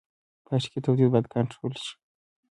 پلاستيکي تولید باید کنټرول شي.